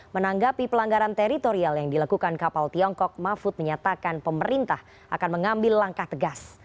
menanggapi pelanggaran teritorial yang dilakukan kapal tiongkok mahfud menyatakan pemerintah akan mengambil langkah tegas